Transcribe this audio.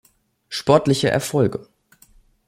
Sportliche Erfolge